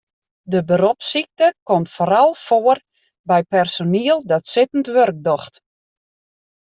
De beropssykte komt foaral foar by personiel dat sittend wurk docht.